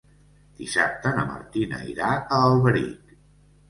Dissabte na Martina irà a Alberic.